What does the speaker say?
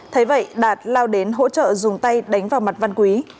thế vậy đạt lao đến hỗ trợ dùng tay đánh vào mặt văn quý